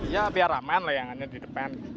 ya biar aman layangannya di depan